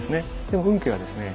でも運慶はですね